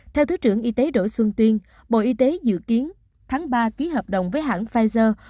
theo thứ trưởng y tế đổi xuân tuyên bộ y tế dự kiến tháng ba ký hợp đồng với hãng pfizer